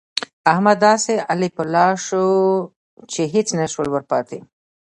احمد داسې الپی الا سو چې هيڅ نه شول ورپاته.